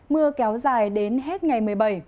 mưa kéo dài đến hết ngày một mươi bảy